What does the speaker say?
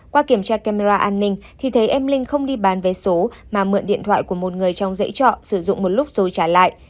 qua kiểm tra camera an ninh thì thấy em linh không đi bán vé số mà mượn điện thoại của một người trong dãy trọ sử dụng một lúc rồi trả lại